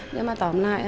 nhưng mà tóm lại